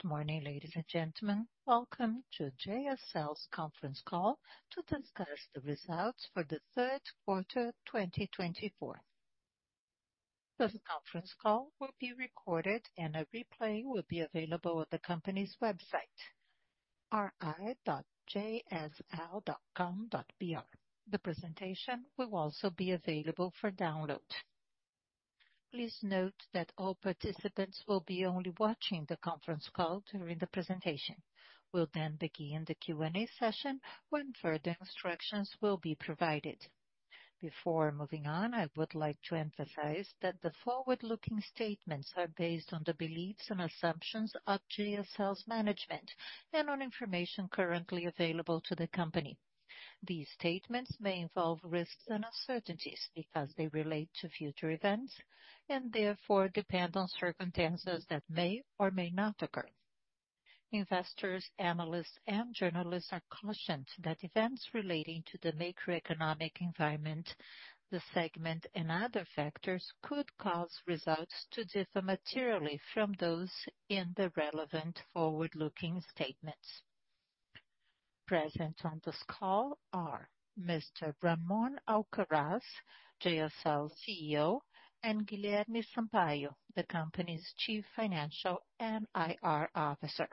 Good morning, ladies and gentlemen. Welcome to JSL's Conference Call to discuss the results for the third quarter 2024. This conference call will be recorded, and a replay will be available at the company's website, ri.jsl.com.br. The presentation will also be available for download. Please note that all participants will be only watching the conference call during the presentation. We'll then begin the Q&A session when further instructions will be provided. Before moving on, I would like to emphasize that the forward-looking statements are based on the beliefs and assumptions of JSL's management and on information currently available to the company. These statements may involve risks and uncertainties because they relate to future events and therefore depend on circumstances that may or may not occur. Investors, analysts, and journalists are cautioned that events relating to the macroeconomic environment, the segment, and other factors could cause results to differ materially from those in the relevant forward-looking statements. Present on this call are Mr. Ramon Alcaraz, JSL CEO, and Guilherme Sampaio, the company's Chief Financial and IR Officer.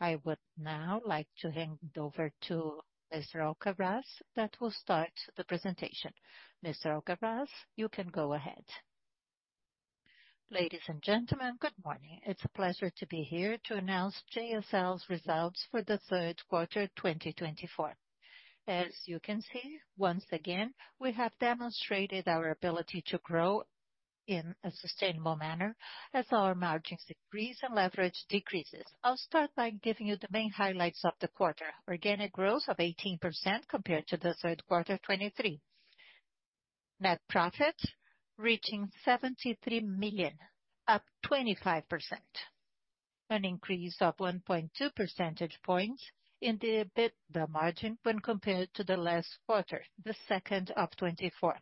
I would now like to hand it over to Mr. Alcaraz that will start the presentation. Mr. Alcaraz, you can go ahead. Ladies and gentlemen, good morning. It's a pleasure to be here to announce JSL's results for the third quarter 2024. As you can see, once again, we have demonstrated our ability to grow in a sustainable manner as our margins increase and leverage decreases. I'll start by giving you the main highlights of the quarter: organic growth of 18% compared to the third quarter 2023, net profit reaching 73 million, up 25%, an increase of 1.2 percentage points in the EBITDA margin when compared to the last quarter, the second of 2024.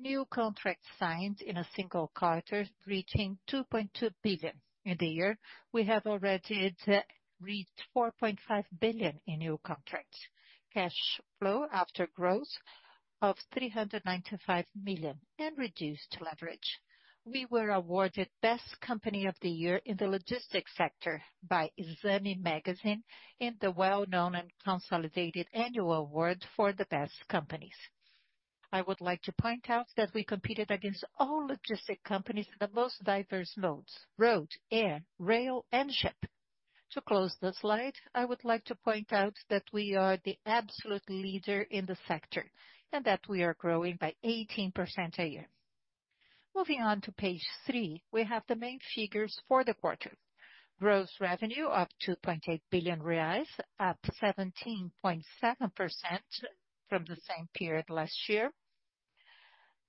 New contracts signed in a single quarter reaching 2.2 billion. In the year, we have already reached 4.5 billion in new contracts, cash flow after growth of 395 million, and reduced leverage. We were awarded Best Company of the Year in the logistics sector by Exame in the well-known and consolidated annual award for the best companies. I would like to point out that we competed against all logistics companies in the most diverse modes: road, air, rail, and ship. To close the slide, I would like to point out that we are the absolute leader in the sector and that we are growing by 18% a year. Moving on to page three, we have the main figures for the quarter: gross revenue of 2.8 billion reais, up 17.7% from the same period last year.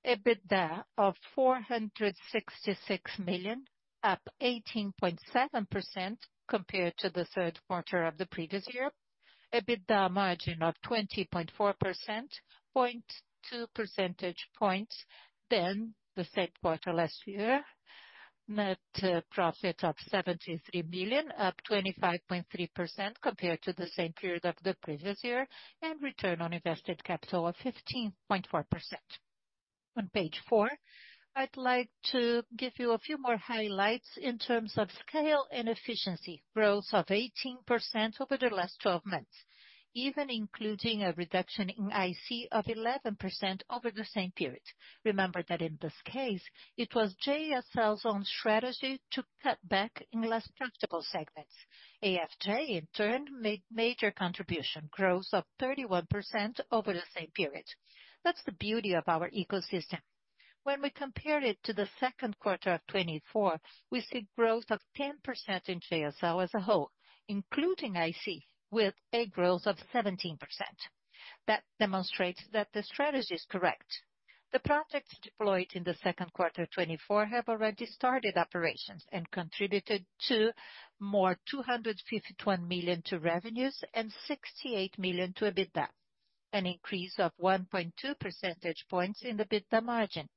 EBITDA of 466 million, up 18.7% compared to the third quarter of the previous year. EBITDA margin of 20.4%, 0.2 percentage points than the same quarter last year. Net profit of 73 million, up 25.3% compared to the same period of the previous year, and return on invested capital of 15.4%. On page four, I'd like to give you a few more highlights in terms of scale and efficiency: growth of 18% over the last 12 months, even including a reduction in IC of 11% over the same period. Remember that in this case, it was JSL's own strategy to cut back in less practical segments. AFJ, in turn, made major contributions: growth of 31% over the same period. That's the beauty of our ecosystem. When we compare it to the second quarter of 2024, we see growth of 10% in JSL as a whole, including IC, with a growth of 17%. That demonstrates that the strategy is correct. The projects deployed in the second quarter 2024 have already started operations and contributed to more 251 million to revenues and 68 million to EBITDA, an increase of 1.2 percentage points in the EBITDA margin,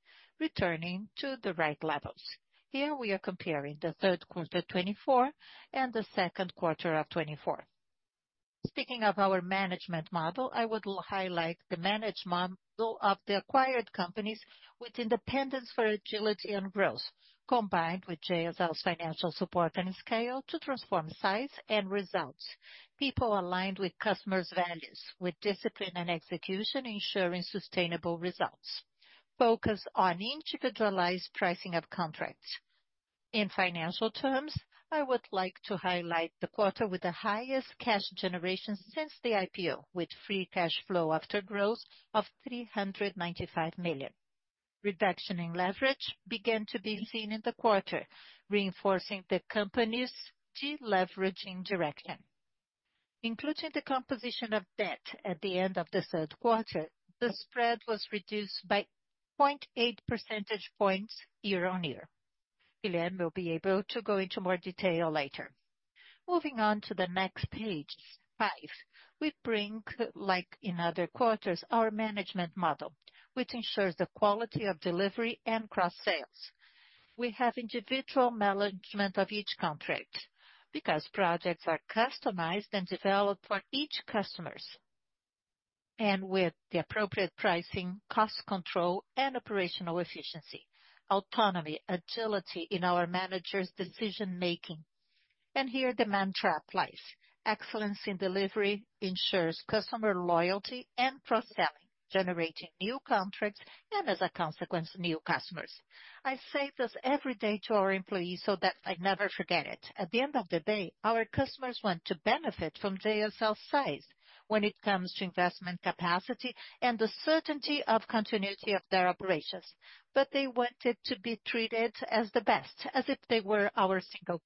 returning to the right levels. Here we are comparing the third quarter 2024 and the second quarter of 2024. Speaking of our management model, I would highlight the management model of the acquired companies with independence for agility and growth, combined with JSL's financial support and scale to transform size and results. People aligned with customers' values, with discipline and execution ensuring sustainable results. Focus on individualized pricing of contracts. In financial terms, I would like to highlight the quarter with the highest cash generation since the IPO, with free cash flow after growth of 395 million. Reduction in leverage began to be seen in the quarter, reinforcing the company's deleveraging direction. Including the composition of debt at the end of the third quarter, the spread was reduced by 0.8 percentage points year on year. Guilherme will be able to go into more detail later. Moving on to the next page, five, we bring, like in other quarters, our management model, which ensures the quality of delivery and cross-sales. We have individual management of each contract because projects are customized and developed for each customer, and with the appropriate pricing, cost control, and operational efficiency, autonomy, agility in our managers' decision-making, and here the mantra applies: excellence in delivery ensures customer loyalty and cross-selling, generating new contracts and, as a consequence, new customers. I say this every day to our employees so that I never forget it. At the end of the day, our customers want to benefit from JSL's size when it comes to investment capacity and the certainty of continuity of their operations, but they want it to be treated as the best, as if they were our single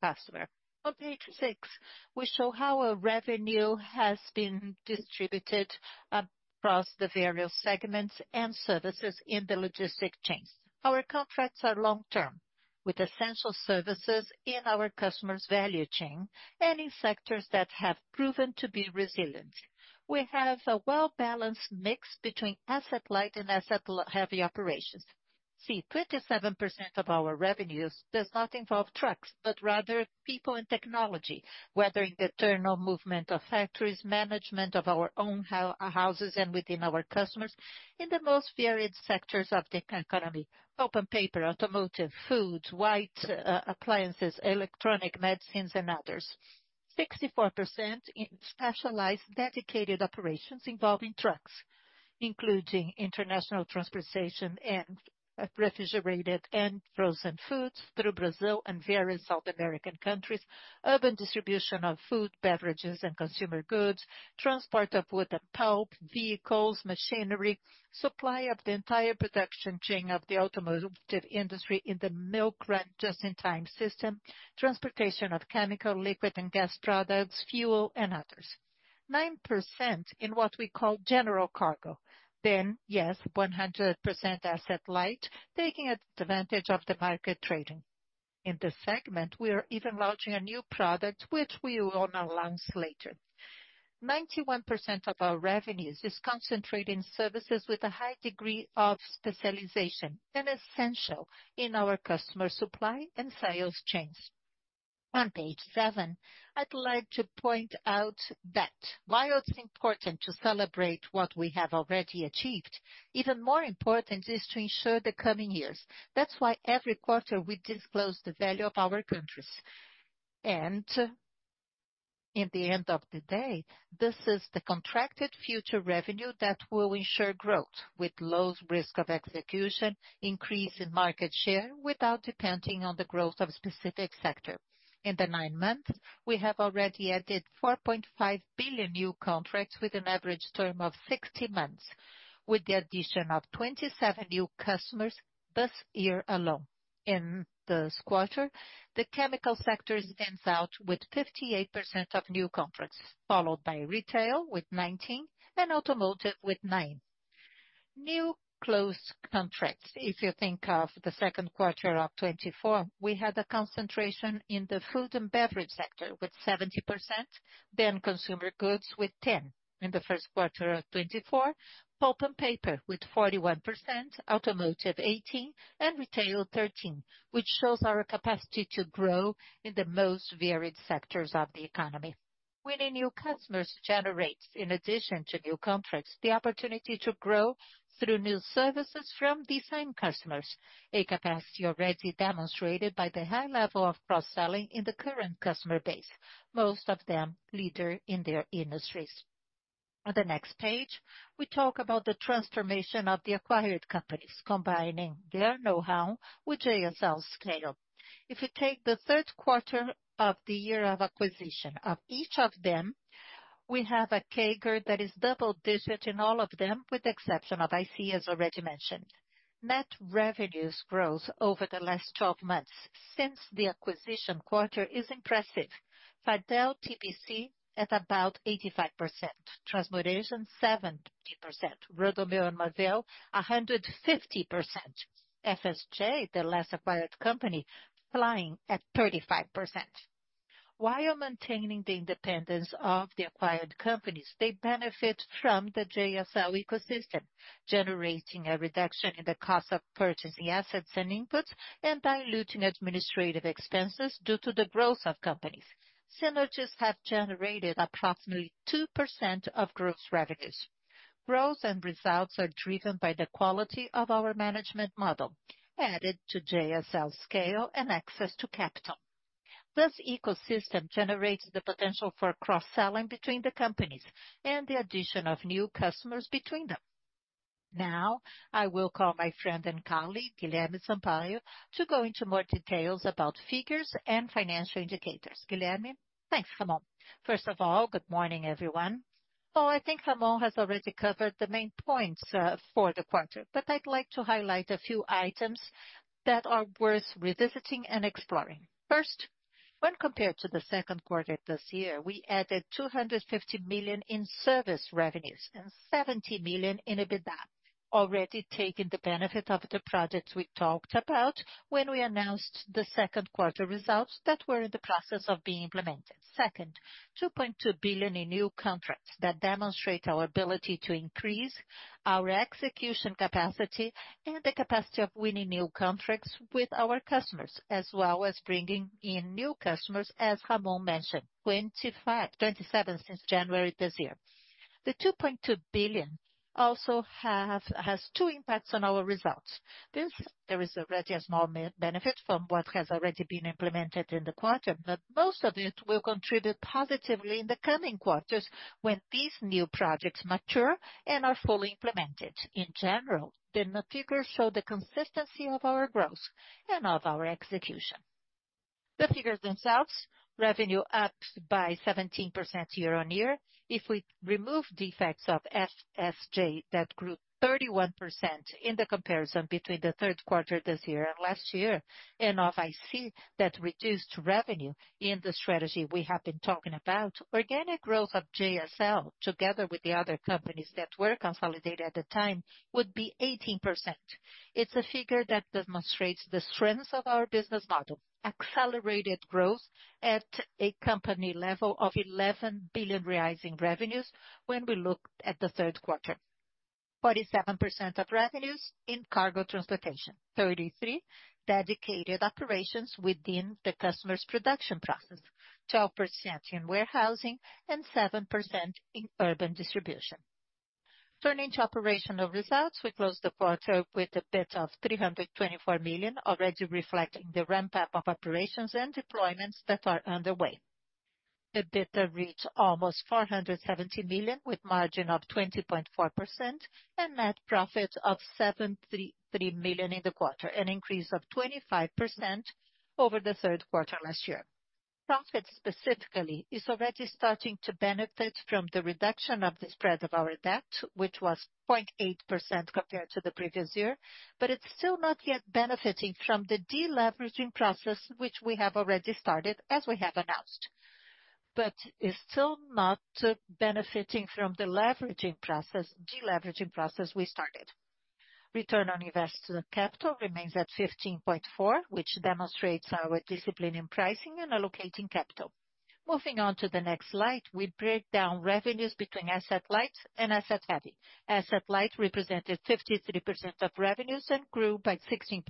customer. On page six, we show how our revenue has been distributed across the various segments and services in the logistics chains. Our contracts are long-term, with essential services in our customers' value chain and in sectors that have proven to be resilient. We have a well-balanced mix between asset-light and asset-heavy operations. See, 27% of our revenues does not involve trucks, but rather people and technology, weathering the internal movement of factories, management of our own warehouses and within our customers in the most varied sectors of the economy: pulp paper, automotive, foods, white appliances, electronics, medicines, and others. 64% in specialized dedicated operations involving trucks, including international transportation and refrigerated and frozen foods through Brazil and various South American countries, urban distribution of food, beverages, and consumer goods, transport of wood and pulp, vehicles, machinery, supply of the entire production chain of the automotive industry in the milk-run just-in-time system, transportation of chemical, liquid, and gas products, fuel, and others. 9% in what we call general cargo. Then, yes, 100% asset-light, taking advantage of the market trading. In this segment, we are even launching a new product, which we will announce later. 91% of our revenues is concentrated in services with a high degree of specialization and essential in our customer supply and sales chains. On page seven, I'd like to point out that while it's important to celebrate what we have already achieved, even more important is to ensure the coming years. That's why every quarter we disclose the value of our contracts. At the end of the day, this is the contracted future revenue that will ensure growth with low risk of execution, increase in market share without depending on the growth of a specific sector. In the nine months, we have already added 4.5 billion new contracts with an average term of 60 months, with the addition of 27 new customers this year alone. In this quarter, the chemical sector stands out with 58% of new contracts, followed by retail with 19% and automotive with 9%. New closed contracts, if you think of the second quarter of 2024, we had a concentration in the food and beverage sector with 70%, then consumer goods with 10% in the first quarter of 2024, pulp and paper with 41%, automotive 18%, and retail 13%, which shows our capacity to grow in the most varied sectors of the economy. Winning new customers generates, in addition to new contracts, the opportunity to grow through new services from the same customers, a capacity already demonstrated by the high level of cross-selling in the current customer base, most of them leaders in their industries. On the next page, we talk about the transformation of the acquired companies, combining their know-how with JSL's scale. If you take the third quarter of the year of acquisition of each of them, we have a CAGR that is double-digit in all of them, with the exception of IC, as already mentioned. Net revenues growth over the last 12 months since the acquisition quarter is impressive. Fadel, TPC at about 85%, Transmudança 70%, Rodomeu and Marvel 150%, FSJ, the last acquired company, flying at 35%. While maintaining the independence of the acquired companies, they benefit from the JSL ecosystem, generating a reduction in the cost of purchasing assets and inputs and diluting administrative expenses due to the growth of companies. Synergies have generated approximately 2% of gross revenues. Growth and results are driven by the quality of our management model, added to JSL scale and access to capital. This ecosystem generates the potential for cross-selling between the companies and the addition of new customers between them. Now, I will call my friend and colleague, Guilherme Sampaio, to go into more details about figures and financial indicators. Guilherme, thanks, Ramon. First of all, good morning, everyone. Well, I think Ramon has already covered the main points for the quarter, but I'd like to highlight a few items that are worth revisiting and exploring. First, when compared to the second quarter this year, we added 250 million in service revenues and 70 million in EBITDA, already taking the benefit of the projects we talked about when we announced the second quarter results that were in the process of being implemented. Second, 2.2 billion in new contracts that demonstrate our ability to increase our execution capacity and the capacity of winning new contracts with our customers, as well as bringing in new customers, as Ramon mentioned, 25, 27 since January this year. The 2.2 billion also has two impacts on our results. This, there is already a small benefit from what has already been implemented in the quarter, but most of it will contribute positively in the coming quarters when these new projects mature and are fully implemented. In general, the figures show the consistency of our growth and of our execution. The figures themselves, revenue up by 17% year-on-year. If we remove effects of FSJ that grew 31% in the comparison between the third quarter this year and last year, and of IC that reduced revenue in the strategy we have been talking about, organic growth of JSL together with the other companies that were consolidated at the time would be 18%. It's a figure that demonstrates the strengths of our business model: accelerated growth at a company level of 11 billion in revenues when we look at the third quarter, 47% of revenues in cargo transportation, 33% dedicated operations within the customer's production process, 12% in warehousing, and 7% in urban distribution. Turning to operational results, we close the quarter with an EBITDA of 324 million, already reflecting the ramp-up of operations and deployments that are underway. EBITDA reached almost 470 million with a margin of 20.4% and net profit of 73 million in the quarter, an increase of 25% over the third quarter last year. Profit specifically is already starting to benefit from the reduction of the spread of our debt, which was 0.8% compared to the previous year, but it's still not yet benefiting from the deleveraging process, which we have already started, as we have announced, but is still not benefiting from the deleveraging process we started. Return on invested capital remains at 15.4%, which demonstrates our discipline in pricing and allocating capital. Moving on to the next slide, we break down revenues between asset-light and asset-heavy. Asset-light represented 53% of revenues and grew by 16%.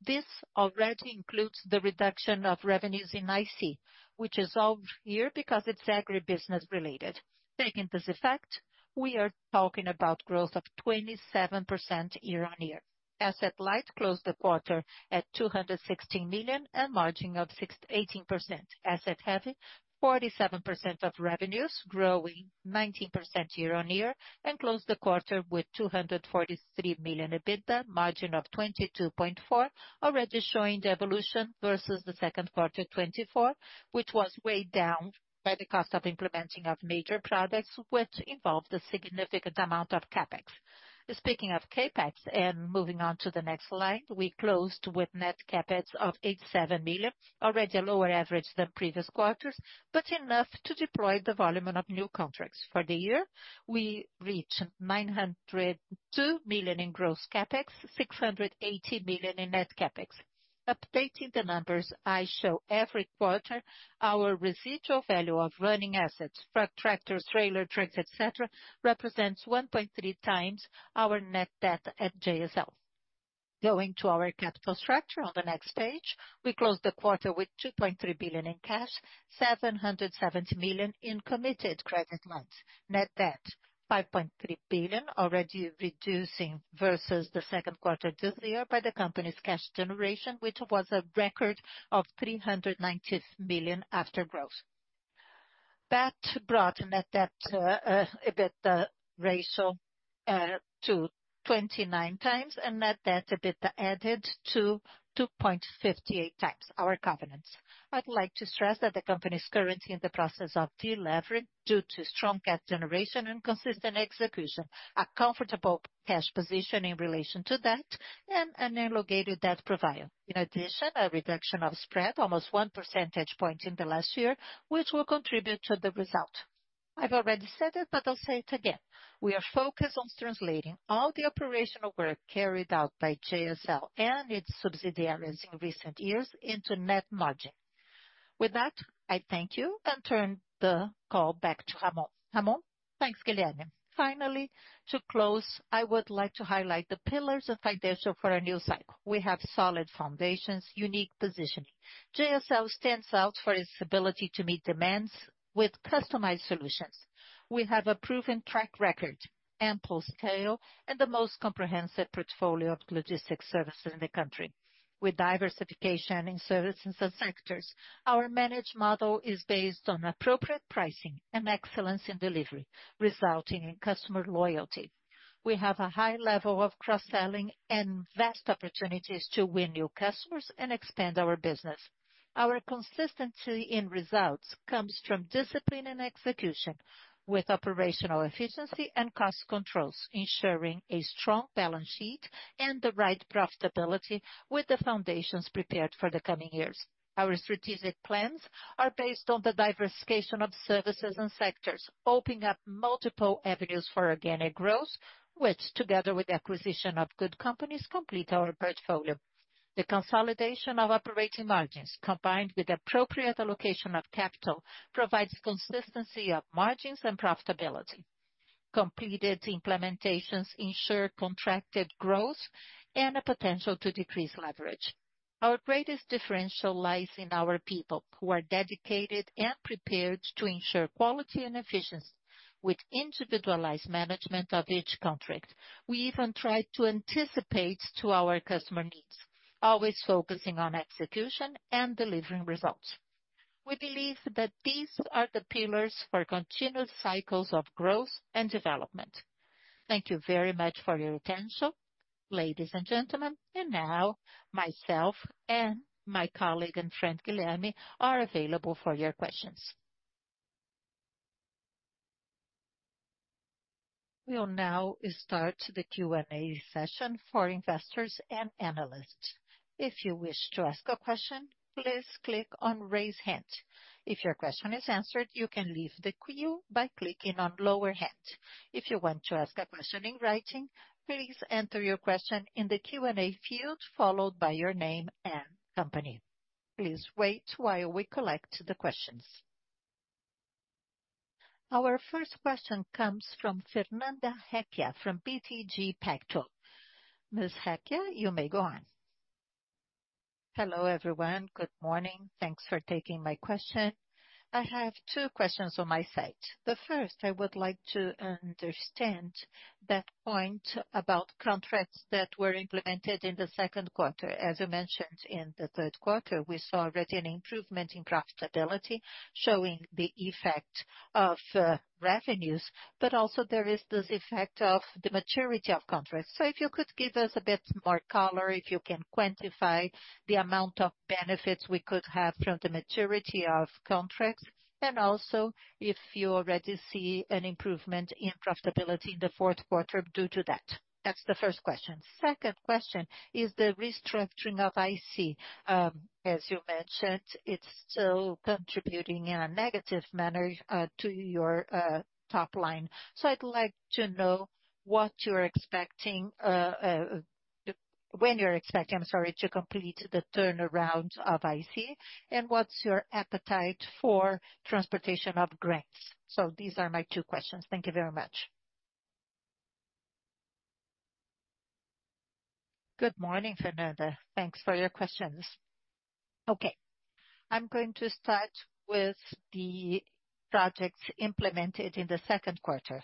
This already includes the reduction of revenues in IC, which is all here because it's agribusiness related. Taking this effect, we are talking about growth of 27% year on year. Asset-light closed the quarter at 216 million and margin of 18%. Asset-heavy, 47% of revenues, growing 19% year-on-year, and closed the quarter with 243 million EBITDA, margin of 22.4%, already showing the evolution versus the second quarter 2024, which was way down by the cost of implementing major products, which involved a significant amount of CapEx. Speaking of CapEx, and moving on to the next slide, we closed with net CapEx of 87 million, already a lower average than previous quarters, but enough to deploy the volume of new contracts. For the year, we reached 902 million in gross CapEx, 680 million in net CapEx. Updating the numbers, I show every quarter our residual value of running assets, trucks, tractors, trailers, trucks, etc., represents 1.3 times our net debt at JSL. Going to our capital structure on the next page, we closed the quarter with 2.3 billion in cash, 770 million in committed credit lines, net debt 5.3 billion, already reducing versus the second quarter this year by the company's cash generation, which was a record of 390 million after growth. That brought net debt EBITDA ratio to 2.9x, and net debt EBITDA added to 2.58x our covenants. I'd like to stress that the company is currently in the process of delivering due to strong cash generation and consistent execution, a comfortable cash position in relation to that, and an elongated debt profile. In addition, a reduction of spread, almost one percentage point in the last year, which will contribute to the result. I've already said it, but I'll say it again. We are focused on translating all the operational work carried out by JSL and its subsidiaries in recent years into net margin. With that, I thank you and turn the call back to Ramon. Ramon, thanks, Guilherme. Finally, to close, I would like to highlight the pillars of financial for a new cycle. We have solid foundations, unique positioning. JSL stands out for its ability to meet demands with customized solutions. We have a proven track record, ample scale, and the most comprehensive portfolio of logistics services in the country. With diversification in services and sectors, our managed model is based on appropriate pricing and excellence in delivery, resulting in customer loyalty. We have a high level of cross-selling and vast opportunities to win new customers and expand our business. Our consistency in results comes from discipline and execution, with operational efficiency and cost controls, ensuring a strong balance sheet and the right profitability with the foundations prepared for the coming years. Our strategic plans are based on the diversification of services and sectors, opening up multiple avenues for organic growth, which, together with the acquisition of good companies, complete our portfolio. The consolidation of operating margins, combined with appropriate allocation of capital, provides consistency of margins and profitability. Completed implementations ensure contracted growth and a potential to decrease leverage. Our greatest differential lies in our people, who are dedicated and prepared to ensure quality and efficiency with individualized management of each contract. We even try to anticipate our customer needs, always focusing on execution and delivering results. We believe that these are the pillars for continuous cycles of growth and development. Thank you very much for your attention, ladies and gentlemen. And now, myself and my colleague and friend Guilherme are available for your questions. We'll now start the Q&A session for investors and analysts. If you wish to ask a question, please click on raise hand. If your question is answered, you can leave the queue by clicking on lower hand. If you want to ask a question in writing, please enter your question in the Q&A field, followed by your name and company. Please wait while we collect the questions. Our first question comes from Fernanda Recchia from BTG Pactual. Ms. Recchia, you may go on. Hello, everyone. Good morning. Thanks for taking my question. I have two questions on my side. The first, I would like to understand that point about contracts that were implemented in the second quarter. As you mentioned, in the third quarter, we saw already an improvement in profitability, showing the effect of revenues, but also there is this effect of the maturity of contracts. So if you could give us a bit more color, if you can quantify the amount of benefits we could have from the maturity of contracts, and also if you already see an improvement in profitability in the fourth quarter due to that? That's the first question. Second question is the restructuring of IC. As you mentioned, it's still contributing in a negative manner to your top line. So I'd like to know what you're expecting, I'm sorry, to complete the turnaround of IC, and what's your appetite for transportation of grains. So these are my two questions. Thank you very much. Good morning, Fernanda. Thanks for your questions. Okay. I'm going to start with the projects implemented in the second quarter.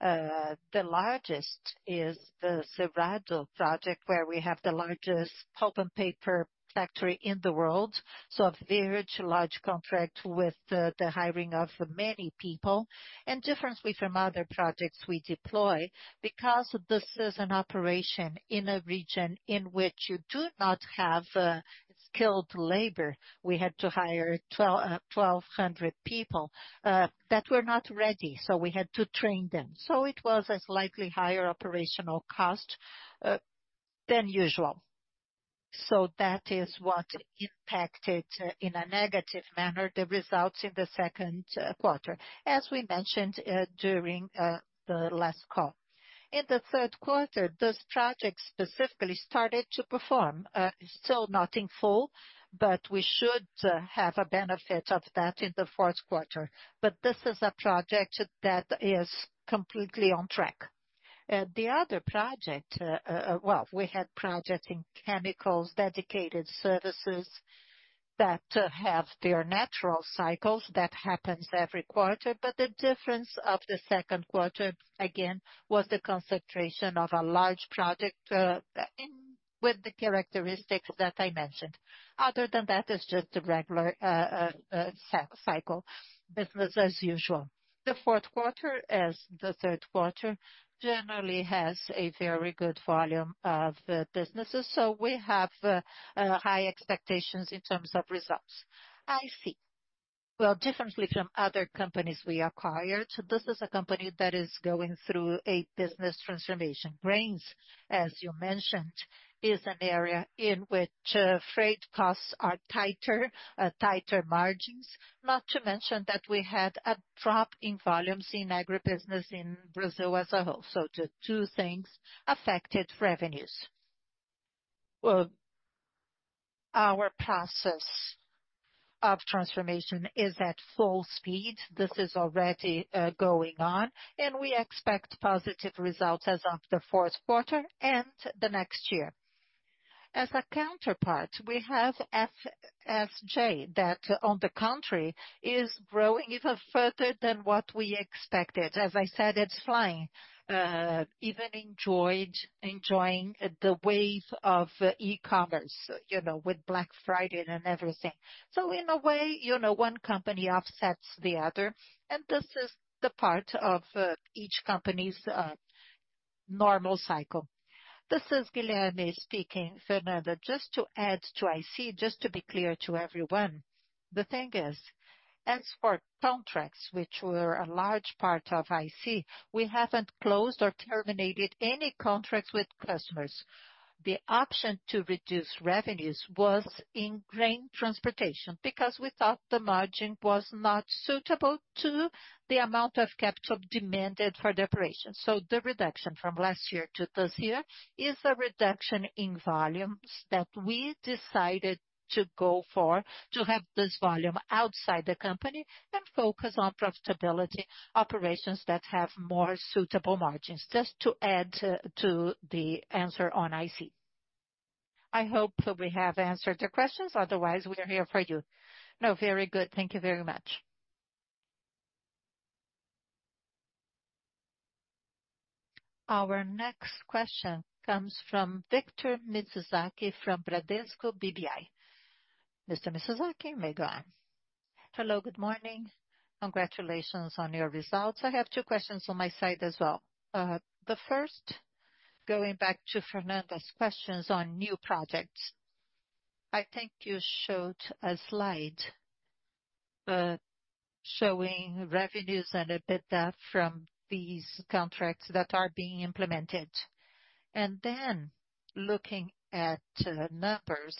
The largest is the Cerrado project, where we have the largest pulp and paper factory in the world, so a very large contract with the hiring of many people. And differently from other projects we deploy, because this is an operation in a region in which you do not have skilled labor. We had to hire 1,200 people that were not ready, so we had to train them. So it was a slightly higher operational cost than usual. So that is what impacted in a negative manner the results in the second quarter, as we mentioned during the last call. In the third quarter, this project specifically started to perform, still not in full, but we should have a benefit of that in the fourth quarter. But this is a project that is completely on track. The other project, well, we had projects in chemicals, dedicated services that have their natural cycles that happens every quarter, but the difference of the second quarter, again, was the concentration of a large project with the characteristics that I mentioned. Other than that, it's just a regular cycle, business as usual. The fourth quarter, as the third quarter, generally has a very good volume of businesses, so we have high expectations in terms of results. I see. Well, differently from other companies we acquired, this is a company that is going through a business transformation. Grains, as you mentioned, is an area in which freight costs are tighter, tighter margins, not to mention that we had a drop in volumes in agribusiness in Brazil as a whole. So the two things affected revenues. Our process of transformation is at full speed. This is already going on, and we expect positive results as of the fourth quarter and the next year. As a counterpart, we have FSJ that, on the contrary, is growing even further than what we expected. As I said, it's flying, even enjoying the wave of e-commerce, you know, with Black Friday and everything. So in a way, you know, one company offsets the other, and this is the part of each company's normal cycle. This is Guilherme speaking, Fernanda. Just to add to IC, just to be clear to everyone, the thing is, as for contracts, which were a large part of IC, we haven't closed or terminated any contracts with customers. The option to reduce revenues was in grain transportation because we thought the margin was not suitable to the amount of capital demanded for the operation. So the reduction from last year to this year is a reduction in volumes that we decided to go for, to have this volume outside the company and focus on profitability operations that have more suitable margins, just to add to the answer on IC. I hope we have answered the questions. Otherwise, we are here for you. No, very good. Thank you very much. Our next question comes from Victor Mizusaki from Bradesco BBI. Mr. Mizusaki, you may go on. Hello, good morning. Congratulations on your results. I have two questions on my side as well. The first, going back to Fernanda's questions on new projects. I think you showed a slide showing revenues and EBITDA from these contracts that are being implemented. Then looking at numbers,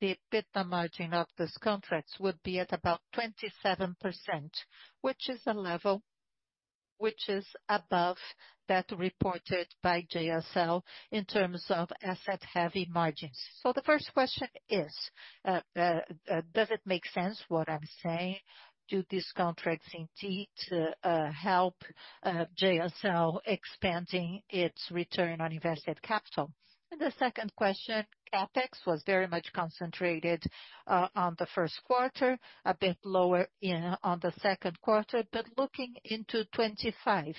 the EBITDA margin of these contracts would be at about 27%, which is a level which is above that reported by JSL in terms of asset-heavy margins. So the first question is, does it make sense what I'm saying? Do these contracts indeed help JSL expanding its return on invested capital? And the second question, CapEx was very much concentrated on the first quarter, a bit lower on the second quarter, but looking into 2025,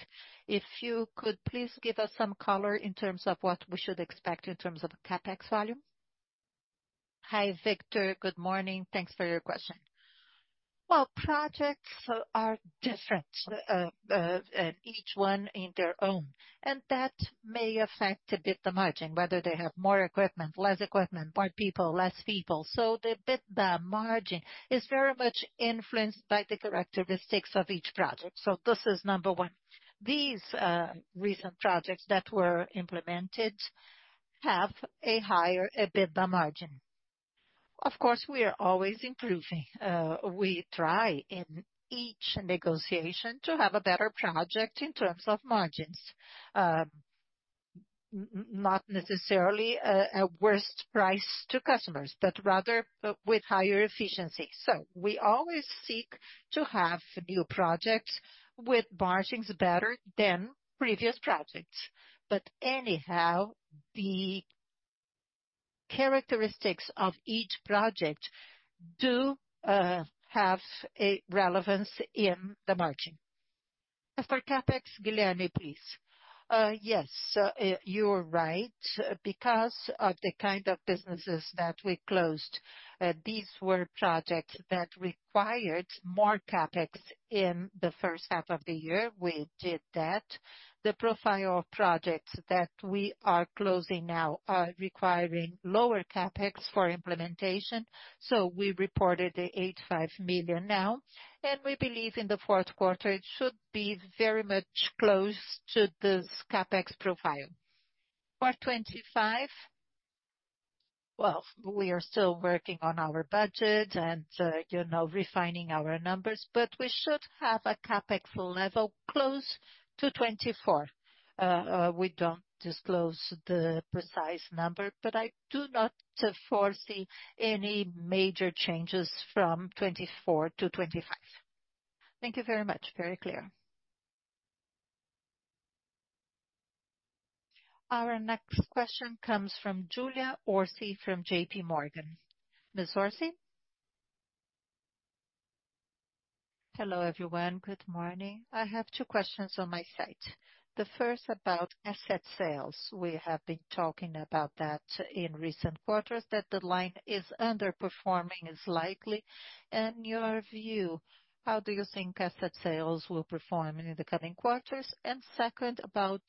if you could please give us some color in terms of what we should expect in terms of CapEx volume. Hi, Victor. Good morning. Thanks for your question. Well, projects are different, and each one in their own, and that may affect EBITDA margin, whether they have more equipment, less equipment, more people, less people. So the EBITDA margin is very much influenced by the characteristics of each project. So this is number one. These recent projects that were implemented have a higher EBITDA margin. Of course, we are always improving. We try in each negotiation to have a better project in terms of margins, not necessarily a worst price to customers, but rather with higher efficiency. So we always seek to have new projects with margins better than previous projects. But anyhow, the characteristics of each project do have a relevance in the margin. As for CapEx, Guilherme, please. Yes, you're right. Because of the kind of businesses that we closed, these were projects that required more CapEx in the first half of the year. We did that. The profile of projects that we are closing now are requiring lower CapEx for implementation. So we reported the 85 million now, and we believe in the fourth quarter, it should be very much close to this CapEx profile. For 2025, well, we are still working on our budget and, you know, refining our numbers, but we should have a CapEx level close to 2024. We don't disclose the precise number, but I do not foresee any major changes from 2024 to 2025. Thank you very much. Very clear. Our next question comes from Julia Orsi from JPMorgan. Ms. Orsi? Hello, everyone. Good morning. I have two questions on my side. The first about asset sales. We have been talking about that in recent quarters, that the line is underperforming is likely. In your view, how do you think asset sales will perform in the coming quarters? And second, about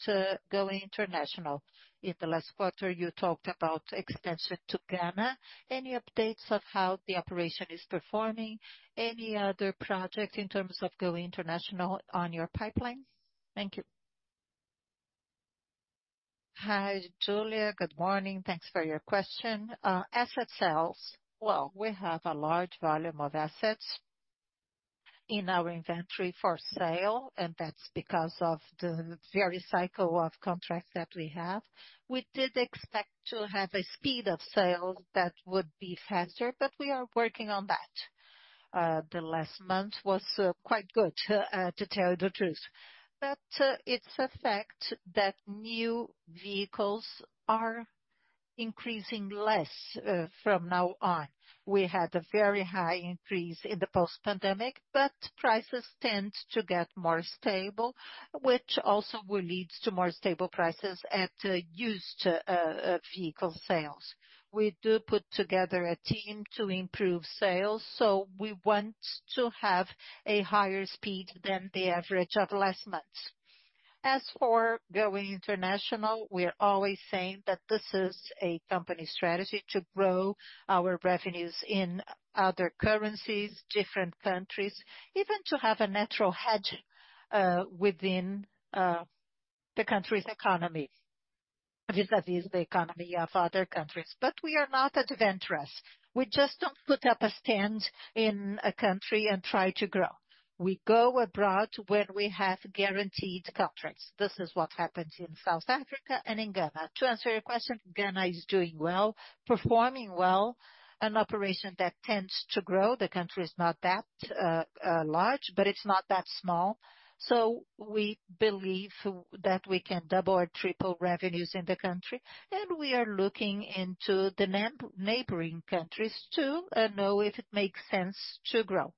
going international. In the last quarter, you talked about extension to Ghana. Any updates of how the operation is performing? Any other projects in terms of going international on your pipeline? Thank you. Hi, Julia. Good morning. Thanks for your question. Asset sales, well, we have a large volume of assets in our inventory for sale, and that's because of the very cycle of contracts that we have. We did expect to have a speed of sales that would be faster, but we are working on that. The last month was quite good, to tell you the truth. But it's a fact that new vehicles are increasing less from now on. We had a very high increase in the post-pandemic, but prices tend to get more stable, which also will lead to more stable prices at used vehicle sales. We do put together a team to improve sales, so we want to have a higher speed than the average of last month. As for going international, we're always saying that this is a company strategy to grow our revenues in other currencies, different countries, even to have a natural hedge within the country's economy, vis-à-vis the economy of other countries. But we are not adventurous. We just don't put up a stand in a country and try to grow. We go abroad when we have guaranteed contracts. This is what happens in South Africa and in Ghana. To answer your question, Ghana is doing well, performing well, an operation that tends to grow. The country is not that large, but it's not that small. So we believe that we can double or triple revenues in the country, and we are looking into the neighboring countries to know if it makes sense to grow.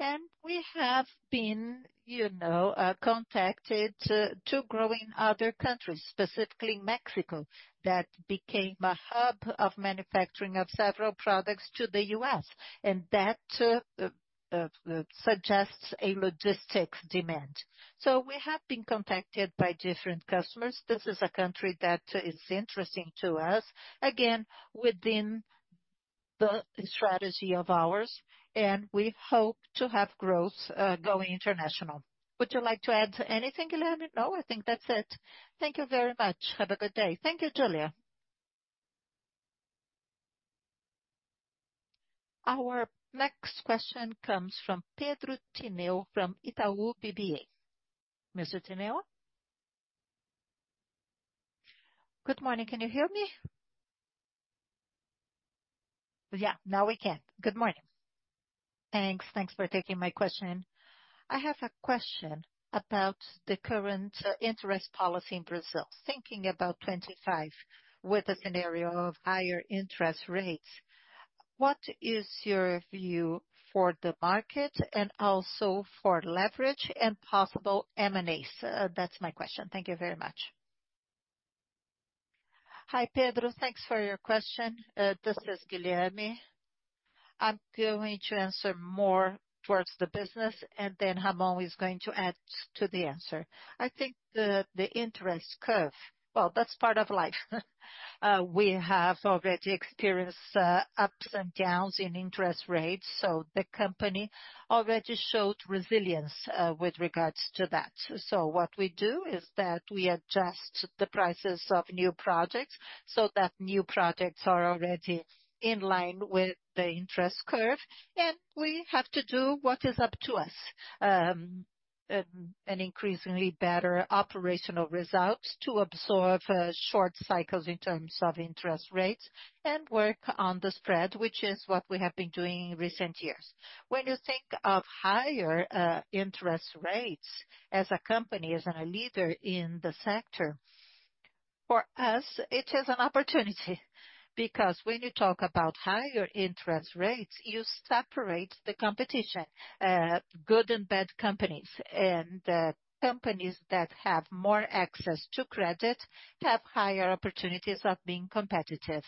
And we have been, you know, contacted to grow in other countries, specifically Mexico, that became a hub of manufacturing of several products to the U.S., and that suggests a logistics demand. So we have been contacted by different customers. This is a country that is interesting to us, again, within the strategy of ours, and we hope to have growth going international. Would you like to add anything, Guilherme? No, I think that's it. Thank you very much. Have a good day. Thank you, Julia. Our next question comes from Pedro Tineo from Itaú BBA. Mr. Tineo? Good morning. Can you hear me? Yeah, now we can. Good morning. Thanks. Thanks for taking my question. I have a question about the current interest policy in Brazil, thinking about 2025 with a scenario of higher interest rates. What is your view for the market and also for leverage and possible M&As? That's my question. Thank you very much. Hi, Pedro. Thanks for your question. This is Guilherme. I'm going to answer more towards the business, and then Ramon is going to add to the answer. I think the interest curve, well, that's part of life. We have already experienced ups and downs in interest rates, so the company already showed resilience with regards to that. So what we do is that we adjust the prices of new projects so that new projects are already in line with the interest curve, and we have to do what is up to us, an increasingly better operational result to absorb short cycles in terms of interest rates and work on the spread, which is what we have been doing in recent years. When you think of higher interest rates as a company, as a leader in the sector, for us, it is an opportunity because when you talk about higher interest rates, you separate the competition, good and bad companies, and companies that have more access to credit have higher opportunities of being competitive.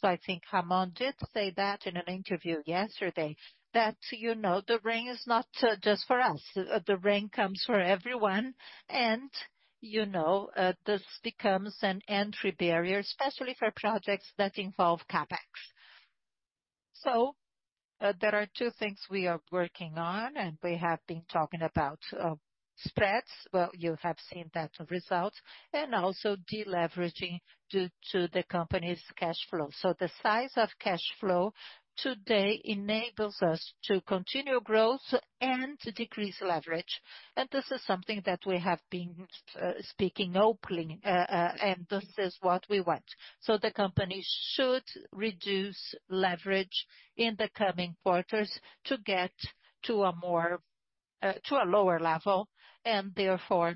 So I think Ramon did say that in an interview yesterday, that, you know, the rain is not just for us. The rain comes for everyone, and, you know, this becomes an entry barrier, especially for projects that involve CapEx. So there are two things we are working on, and we have been talking about spreads. Well, you have seen that result, and also deleveraging due to the company's cash flow. So the size of cash flow today enables us to continue growth and decrease leverage. And this is something that we have been speaking openly, and this is what we want. So the company should reduce leverage in the coming quarters to get to a lower level, and therefore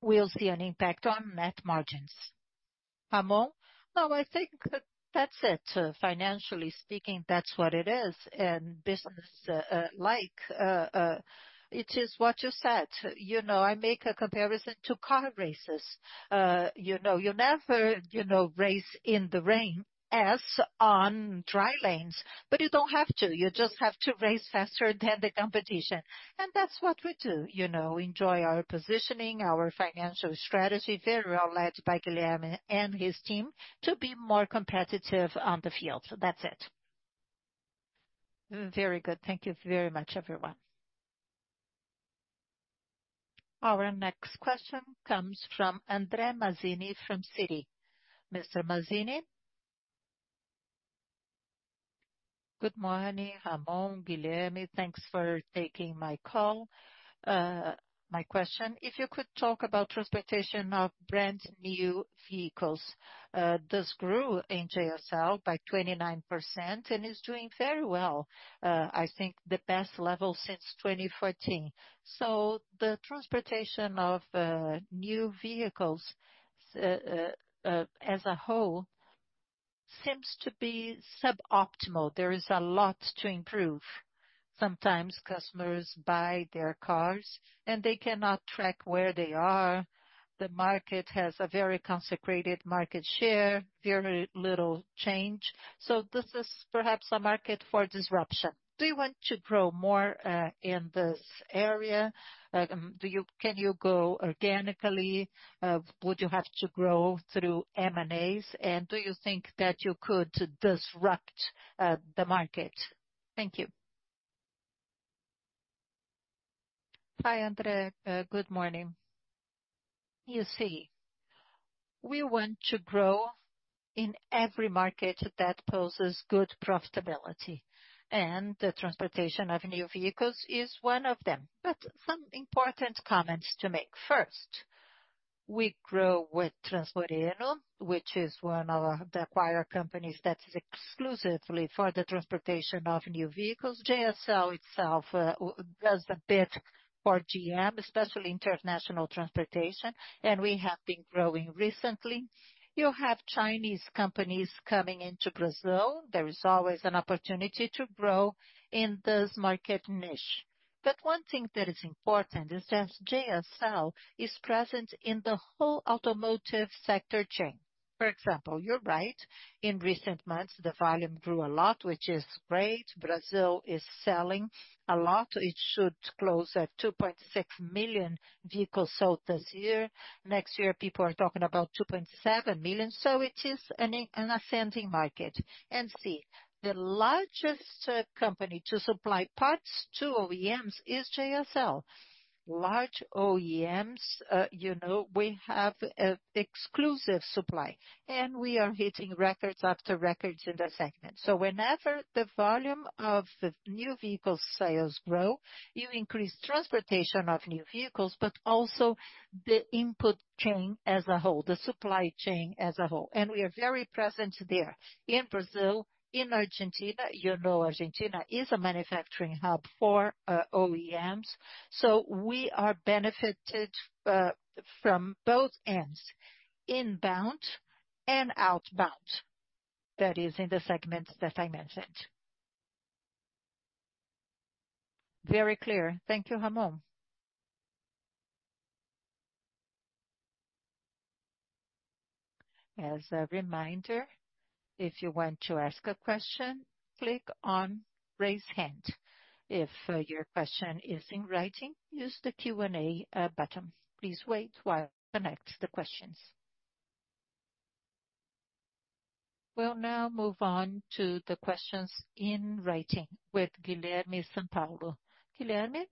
we'll see an impact on net margins. Ramon? No, I think that's it. Financially speaking, that's what it is. And business, like, it is what you said. You know, I make a comparison to car races. You know, you never, you know, race in the rain as on dry lanes, but you don't have to. You just have to race faster than the competition. And that's what we do. You know, leverage our positioning, our financial strategy, very well led by Guilherme and his team to be more competitive on the field. So that's it. Very good. Thank you very much, everyone. Our next question comes from André Mazini from Citi. Mr. Mazini? Good morning. Ramon, Guilherme, thanks for taking my call. My question, if you could talk about transportation of brand new vehicles, this grew in JSL by 29% and is doing very well. I think the best level since 2014. So the transportation of new vehicles as a whole seems to be suboptimal. There is a lot to improve. Sometimes customers buy their cars and they cannot track where they are. The market has a very concentrated market share, very little change. So this is perhaps a market for disruption. Do you want to grow more in this area? Can you go organically? Would you have to grow through M&As? And do you think that you could disrupt the market? Thank you. Hi, André. Good morning. You see, we want to grow in every market that poses good profitability, and the transportation of new vehicles is one of them. But some important comments to make. First, we grow with Transmoreno, which is one of the acquired companies that is exclusively for the transportation of new vehicles. JSL itself does a bit for GM, especially international transportation, and we have been growing recently. You have Chinese companies coming into Brazil. There is always an opportunity to grow in this market niche. But one thing that is important is that JSL is present in the whole automotive sector chain. For example, you're right. In recent months, the volume grew a lot, which is great. Brazil is selling a lot. It should close at 2.6 million vehicles sold this year. Next year, people are talking about 2.7 million. So it is an ascending market. And see, the largest company to supply parts to OEMs is JSL. Large OEMs, you know, we have exclusive supply, and we are hitting records after records in the segment. So whenever the volume of new vehicle sales grow, you increase transportation of new vehicles, but also the input chain as a whole, the supply chain as a whole. And we are very present there in Brazil, in Argentina. You know, Argentina is a manufacturing hub for OEMs. So we are benefited from both ends, inbound and outbound. That is in the segments that I mentioned. Very clear. Thank you, Ramon. As a reminder, if you want to ask a question, click on raise hand. If your question is in writing, use the Q&A button. Please wait while I connect the questions. We'll now move on to the questions in writing with Guilherme Sampaio. Guilherme?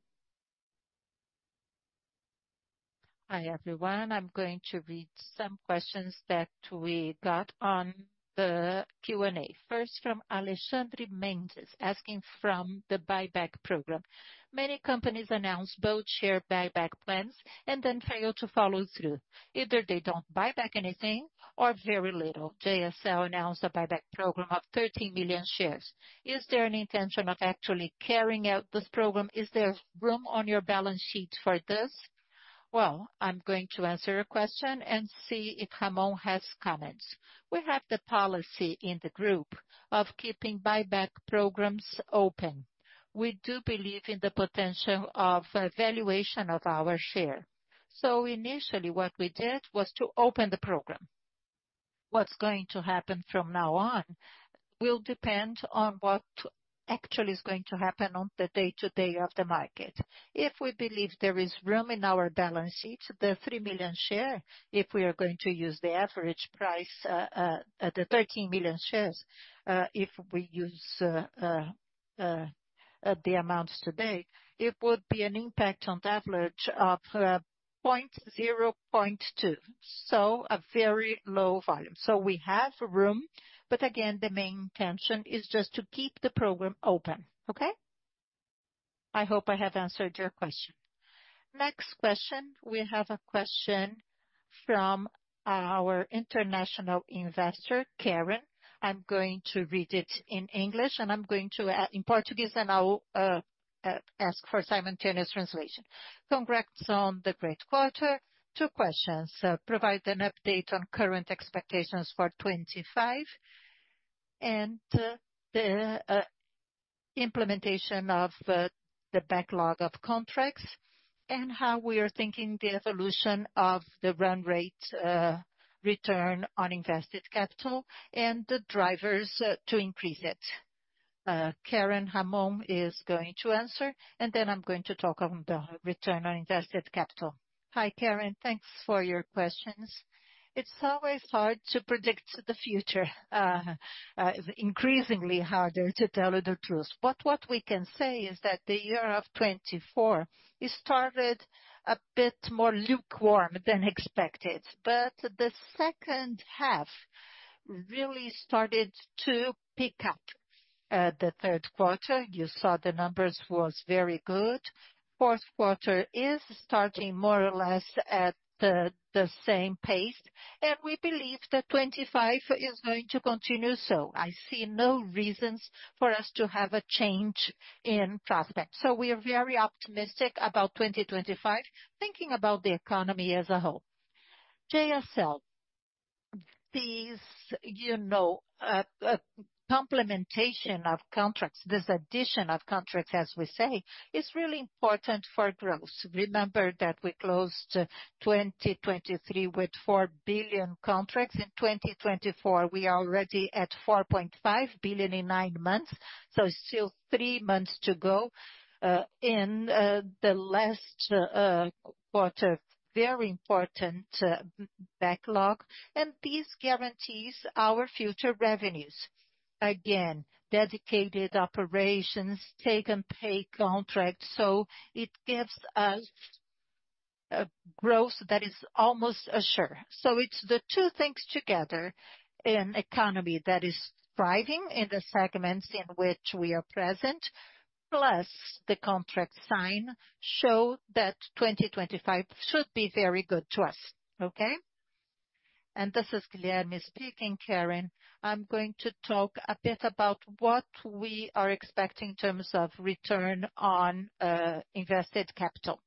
Hi, everyone. I'm going to read some questions that we got on the Q&A. First, from Alexandre Mendes, asking about the buyback program. Many companies announced both share buyback plans and then failed to follow through. Either they don't buy back anything or very little. JSL announced a buyback program of 13 million shares. Is there an intention of actually carrying out this program? Is there room on your balance sheet for this? Well, I'm going to answer your question and see if Ramon has comments. We have the policy in the group of keeping buyback programs open. We do believe in the potential of valuation of our share. So initially, what we did was to open the program. What's going to happen from now on will depend on what actually is going to happen on the day-to-day of the market. If we believe there is room in our balance sheet, the 3 million share, if we are going to use the average price, the 13 million shares, if we use the amounts today, it would be an impact on average of 0.2. So a very low volume. So we have room, but again, the main intention is just to keep the program open. Okay? I hope I have answered your question. Next question, we have a question from our international investor, Karen. I'm going to read it in English, and I'm going to add in Portuguese, and I'll ask for simultaneous translation. Congrats on the great quarter. Two questions. Provide an update on current expectations for 2025 and the implementation of the backlog of contracts and how we are thinking the evolution of the run rate return on invested capital and the drivers to increase it. Karen, Ramon is going to answer, and then I'm going to talk on the return on invested capital. Hi, Karen. Thanks for your questions. It's always hard to predict the future. It's increasingly harder to tell you the truth. But what we can say is that the year of 2024 started a bit more lukewarm than expected, but the second half really started to pick up. The third quarter, you saw the numbers were very good. Fourth quarter is starting more or less at the same pace, and we believe that 2025 is going to continue so. I see no reasons for us to have a change in prospects. So we are very optimistic about 2025, thinking about the economy as a whole. JSL, these, you know, complementation of contracts, this addition of contracts, as we say, is really important for growth. Remember that we closed 2023 with 4 billion contracts. In 2024, we are already at 4.5 billion in nine months, so it's still three months to go in the last quarter. Very important backlog, and these guarantee our future revenues. Again, dedicated operations, take and pay contracts, so it gives us a growth that is almost assured, so it's the two things together in an economy that is thriving in the segments in which we are present, plus the contract signing shows that 2025 should be very good to us. Okay? And this is Guilherme speaking, Karen. I'm going to talk a bit about what we are expecting in terms of return on invested capital.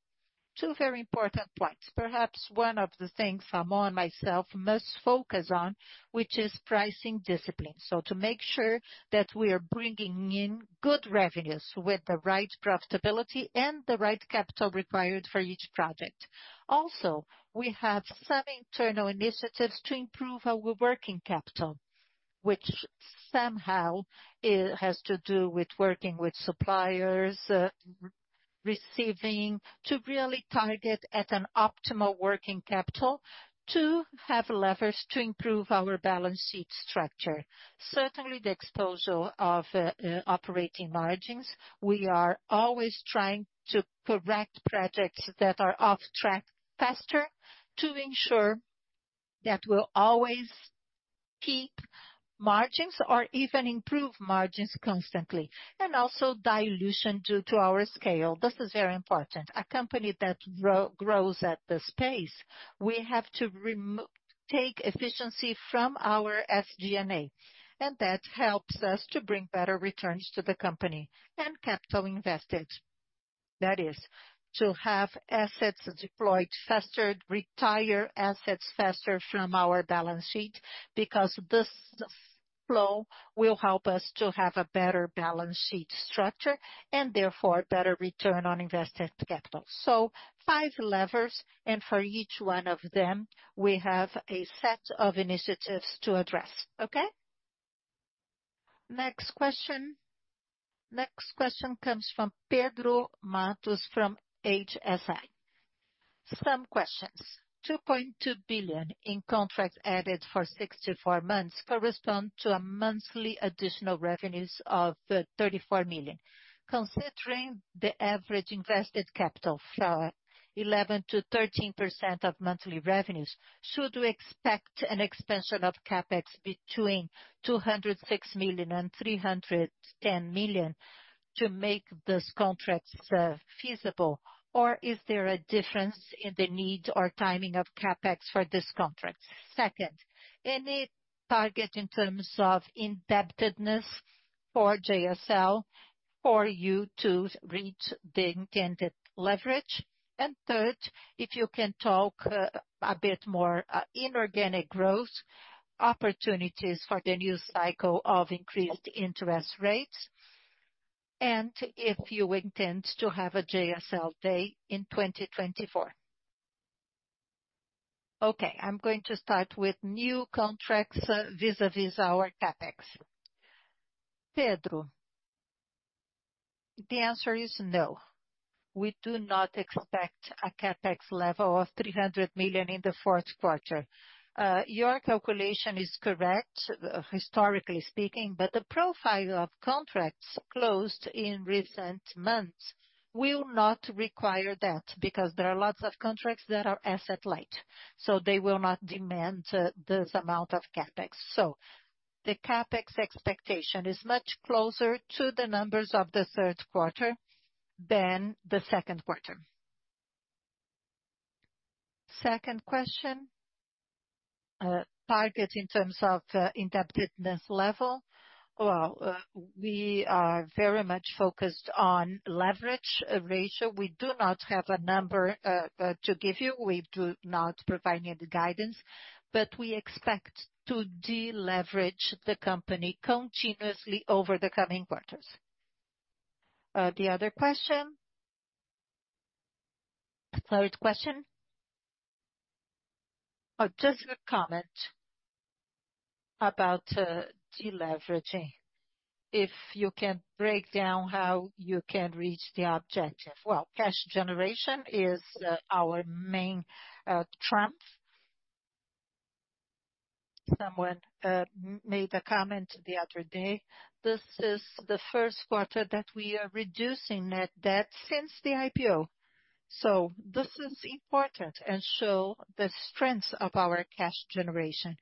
Two very important points. Perhaps one of the things Ramon and myself must focus on, which is pricing discipline. So to make sure that we are bringing in good revenues with the right profitability and the right capital required for each project. Also, we have some internal initiatives to improve our working capital, which somehow has to do with working with suppliers, receivables to really target at an optimal working capital to have levers to improve our balance sheet structure. Certainly, the exposure of operating margins. We are always trying to correct projects that are off track faster to ensure that we'll always keep margins or even improve margins constantly. And also dilution due to our scale. This is very important. A company that grows at this pace, we have to take efficiency from our SG&A, and that helps us to bring better returns to the company and capital invested. That is to have assets deployed faster, retire assets faster from our balance sheet because this flow will help us to have a better balance sheet structure and therefore better return on invested capital. So five levers, and for each one of them, we have a set of initiatives to address. Okay? Next question. Next question comes from Pedro Mattos from HSI. Some questions. 2.2 billion in contracts added for 64 months correspond to a monthly additional revenues of 34 million. Considering the average invested capital from 11%-13% of monthly revenues, should we expect an expansion of CapEx between 206 million and 310 million to make these contracts feasible, or is there a difference in the need or timing of CapEx for these contracts? Second, any target in terms of indebtedness for JSL for you to reach the intended leverage? Third, if you can talk a bit more inorganic growth opportunities for the new cycle of increased interest rates, and if you intend to have a JSL Day in 2024. Okay, I'm going to start with new contracts vis-à-vis our CapEx. Pedro. The answer is no. We do not expect a CapEx level of 300 million in the fourth quarter. Your calculation is correct, historically speaking, but the profile of contracts closed in recent months will not require that because there are lots of contracts that are asset-light, so they will not demand this amount of CapEx. So the CapEx expectation is much closer to the numbers of the third quarter than the second quarter. Second question. Target in terms of indebtedness level. Well, we are very much focused on leverage ratio. We do not have a number to give you. We do not provide any guidance, but we expect to deleverage the company continuously over the coming quarters. The other question. Third question. Just a comment about deleveraging. If you can break down how you can reach the objective. Cash generation is our main trump. Someone made a comment the other day. This is the first quarter that we are reducing net debt since the IPO. This is important and shows the strength of our cash generation.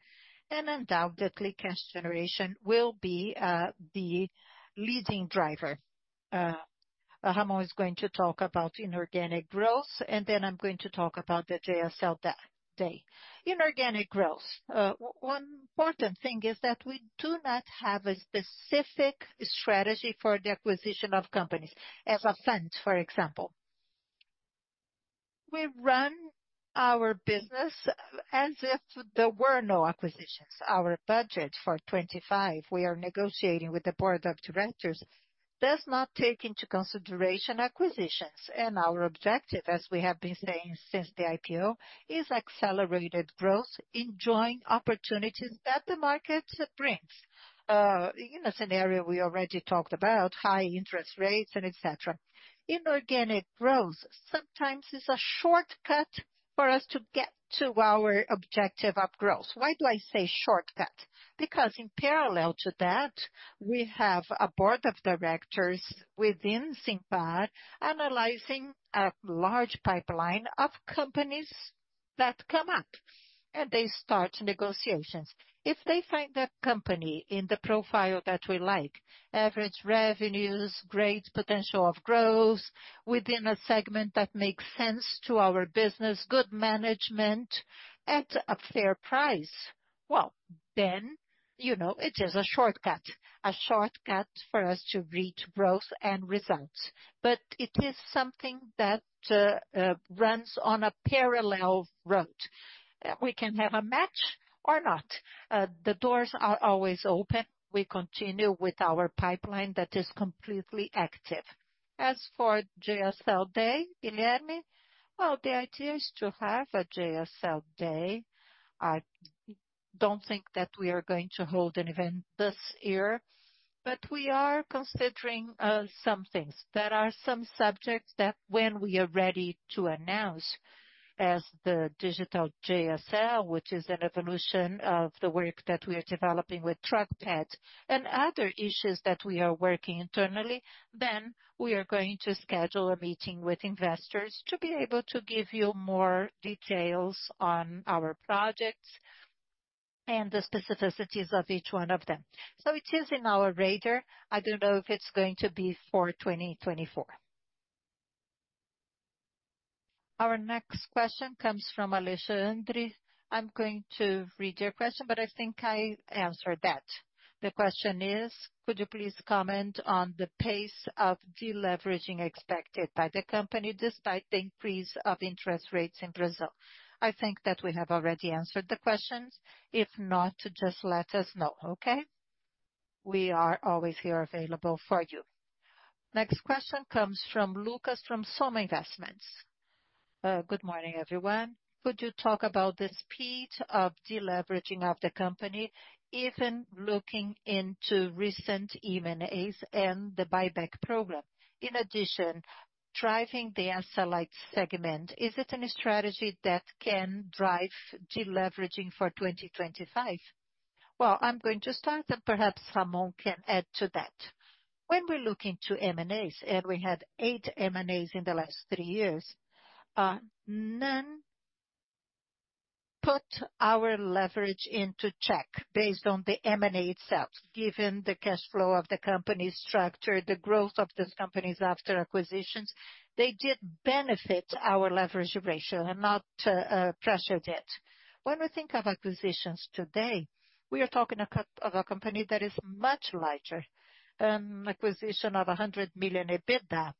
Undoubtedly, cash generation will be the leading driver. Ramon is going to talk about inorganic growth, and then I'm going to talk about the JSL Day. Inorganic growth. One important thing is that we do not have a specific strategy for the acquisition of companies. As a fund, for example. We run our business as if there were no acquisitions. Our budget for 2025, we are negotiating with the board of directors, does not take into consideration acquisitions. And our objective, as we have been saying since the IPO, is accelerated growth in joint opportunities that the market brings. In a scenario we already talked about, high interest rates, and etc. Inorganic growth sometimes is a shortcut for us to get to our objective of growth. Why do I say shortcut? Because in parallel to that, we have a board of directors within SIMPAR analyzing a large pipeline of companies that come up, and they start negotiations. If they find that company in the profile that we like, average revenues, great potential of growth within a segment that makes sense to our business, good management at a fair price, well, then you know it is a shortcut. A shortcut for us to reach growth and results. But it is something that runs on a parallel road. We can have a match or not. The doors are always open. We continue with our pipeline that is completely active. As for JSL day, Guilherme, well, the idea is to have a JSL day. I don't think that we are going to hold an event this year, but we are considering some things. There are some subjects that when we are ready to announce as the digital JSL, which is an evolution of the work that we are developing with TruckPad and other issues that we are working internally, then we are going to schedule a meeting with investors to be able to give you more details on our projects and the specificities of each one of them. So it is in our radar. I don't know if it's going to be for 2024. Our next question comes from Alicia Andre. I'm going to read your question, but I think I answered that. The question is, could you please comment on the pace of deleveraging expected by the company despite the increase of interest rates in Brazil? I think that we have already answered the questions. If not, just let us know. Okay? We are always here available for you. Next question comes from Lucas from Soma Investimentos. Good morning, everyone. Could you talk about the speed of deleveraging of the company, even looking into recent M&As and the buyback program? In addition, driving the Asset Light segment, is it a strategy that can drive deleveraging for 2025? Well, I'm going to start, and perhaps Ramon can add to that. When we're looking to M&As, and we had eight M&As in the last three years, none put our leverage into check based on the M&A itself. Given the cash flow of the company's structure, the growth of these companies after acquisitions, they did benefit our leverage ratio and not pressure it. When we think of acquisitions today, we are talking about a company that is much larger. An acquisition of 100 million EBITDA,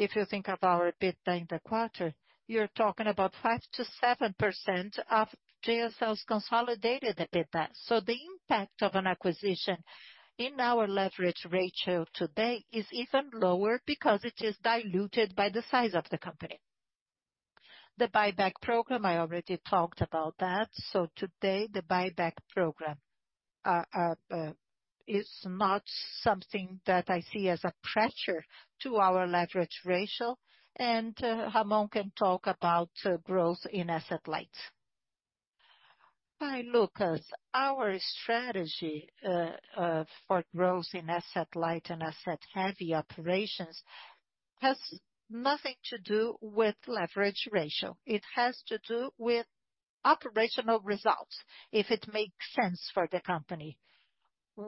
if you think of our EBITDA in the quarter, you're talking about 5%-7% of JSL's consolidated EBITDA, so the impact of an acquisition in our leverage ratio today is even lower because it is diluted by the size of the company. The buyback program, I already talked about that, so today, the buyback program is not something that I see as a pressure to our leverage ratio. Ramon can talk about growth in asset light. Hi, Lucas. Our strategy for growth in asset light and asset-heavy operations has nothing to do with leverage ratio. It has to do with operational results, if it makes sense for the company.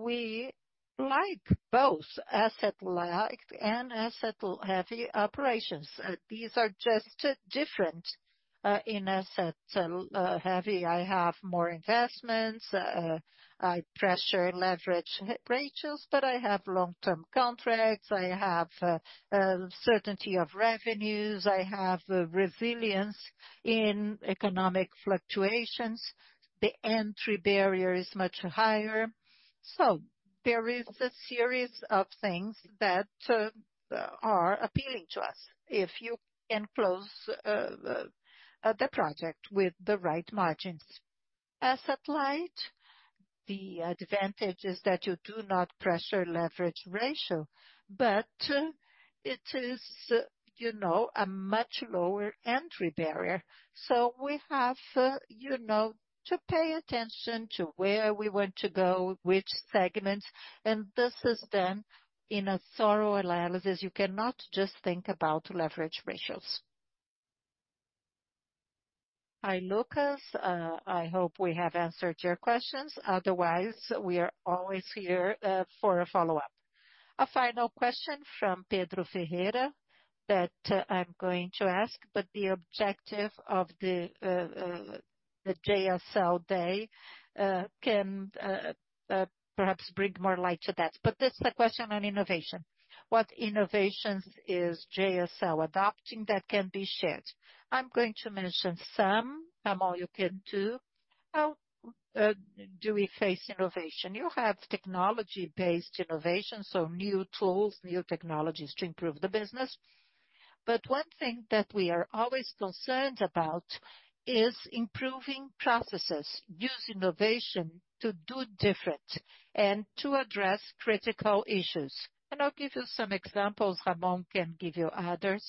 We like both asset-light and asset-heavy operations. These are just different in asset-heavy. I have more investments. I pressure leverage ratios, but I have long-term contracts. I have certainty of revenues. I have resilience in economic fluctuations. The entry barrier is much higher. So there is a series of things that are appealing to us if you can close the project with the right margins. Asset light, the advantage is that you do not pressure leverage ratio, but it is, you know, a much lower entry barrier. so we have, you know, to pay attention to where we want to go, which segments, and this is done in a thorough analysis. You cannot just think about leverage ratios. Hi, Lucas. I hope we have answered your questions. Otherwise, we are always here for a follow-up. A final question from Pedro Ferreira that I'm going to ask, but the objective of the JSL day can perhaps bring more light to that, but this is a question on innovation. What innovations is JSL adopting that can be shared? I'm going to mention some. Ramon, you can too. How do we face innovation? You have technology-based innovation, so new tools, new technologies to improve the business, but one thing that we are always concerned about is improving processes, using innovation to do different and to address critical issues, and I'll give you some examples. Ramon can give you others.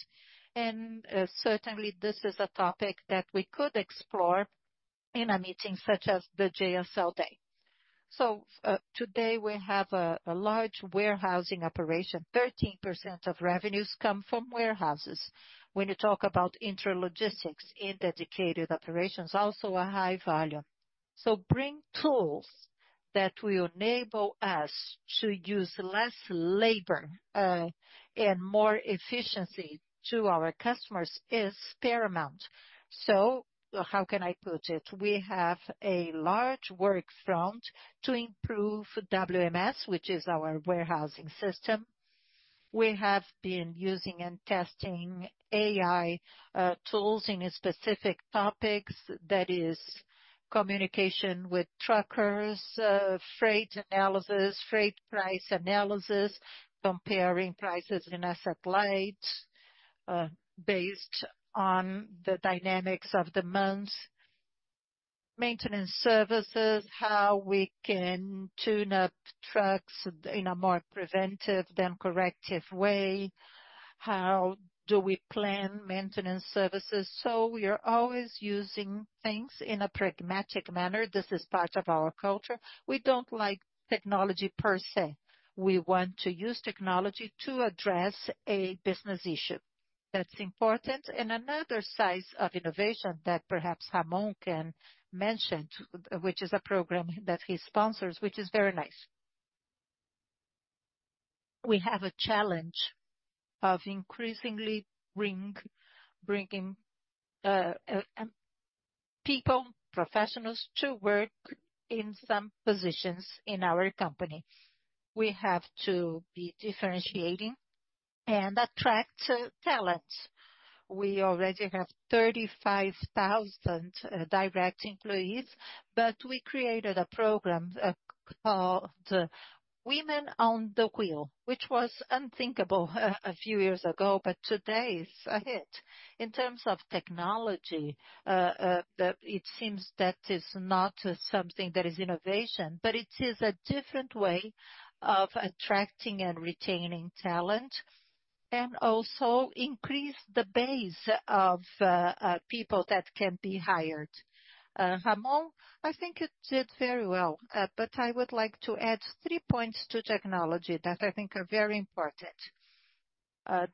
And certainly, this is a topic that we could explore in a meeting such as the JSL day. So today, we have a large warehousing operation. 13% of revenues come from warehouses. When you talk about intralogistics in dedicated operations, also a high value. So bring tools that will enable us to use less labor and more efficiency to our customers is paramount. So how can I put it? We have a large work front to improve WMS, which is our warehousing system. We have been using and testing AI tools in specific topics. That is communication with truckers, freight analysis, freight price analysis, comparing prices in asset light based on the dynamics of the months, maintenance services, how we can tune up trucks in a more preventive than corrective way. How do we plan maintenance services? So we are always using things in a pragmatic manner. This is part of our culture. We don't like technology per se. We want to use technology to address a business issue. That's important, and another size of innovation that perhaps Ramon can mention, which is a program that he sponsors, which is very nice. We have a challenge of increasingly bringing people, professionals to work in some positions in our company. We have to be differentiating and attract talent. We already have 35,000 direct employees, but we created a program called Women on the Wheel, which was unthinkable a few years ago, but today it's a hit. In terms of technology, it seems that is not something that is innovation, but it is a different way of attracting and retaining talent and also increase the base of people that can be hired. Ramon, I think you did very well, but I would like to add three points to technology that I think are very important.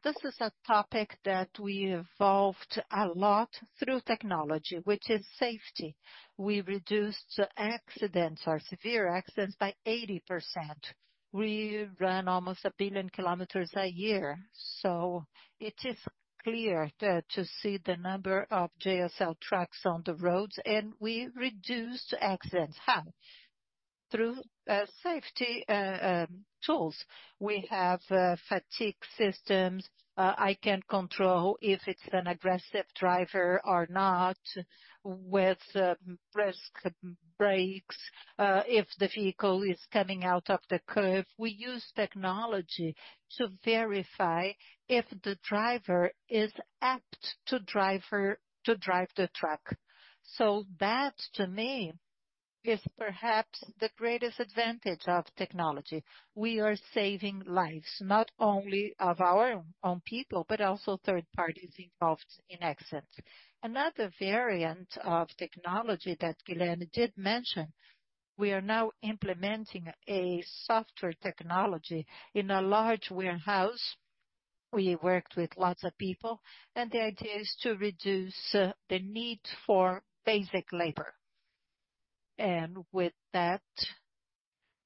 This is a topic that we evolved a lot through technology, which is safety. We reduced accidents or severe accidents by 80%. We run almost a billion kilometers a year, so it is clear to see the number of JSL trucks on the roads, and we reduced accidents highly through safety tools. We have fatigue systems. I can control if it is an aggressive driver or not with risk brakes if the vehicle is coming out of the curve. We use technology to verify if the driver is apt to drive the truck, so that, to me, is perhaps the greatest advantage of technology. We are saving lives, not only of our own people, but also third parties involved in accidents. Another variant of technology that Guilherme did mention. We are now implementing a software technology in a large warehouse. We worked with lots of people, and the idea is to reduce the need for basic labor, and with that,